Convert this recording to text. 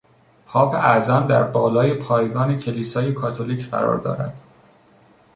پاپ اعظم در بالای پایگان کلیسای کاتولیک قرار دارد.